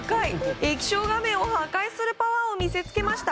液晶画面を破壊するパワーを見せつけました。